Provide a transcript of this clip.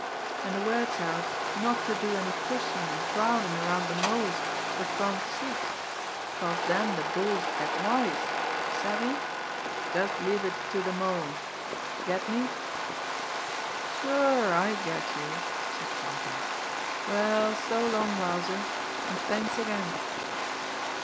An' de word's out not to do any pushin' an' crowdin' around de Mole's fer front seats, 'cause den de bulls 'd get wise savvy? Just leave it to de Mole get me?" "Sure I get you," said Jimmie Dale. "Well, so long, Wowzer and thanks again."